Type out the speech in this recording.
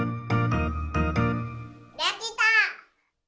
できた！